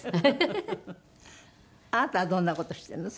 あなたはどんな事をしてるの？